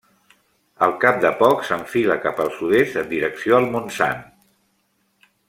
Al cap de poc s'enfila cap al sud-est en direcció al Montsant.